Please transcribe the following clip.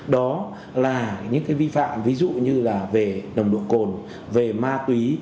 đó là những cái vi phạm ví dụ như là về nồng độ cồn về ma túy